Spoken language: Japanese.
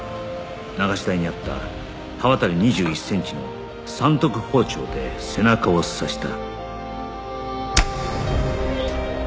流し台にあった刃渡り２１センチの三徳包丁で背中を刺した